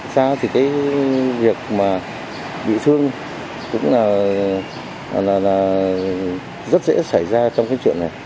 xa thì cái việc mà bị thương cũng là rất dễ xảy ra trong cái chuyện này